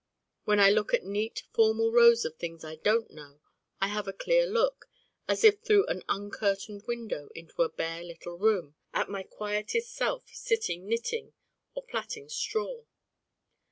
When I look at neat formal rows of things I Don't Know I have a clear look, as if through an uncurtained window into a bare little room, at my quietest self sitting knitting or plaiting straw.